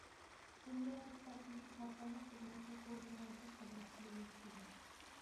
دۇنيادا كىتابتىن باشقا ھەرقانداق بىر نەرسە كونىرىغانچە قىممىتىنى يوقىتىدۇ.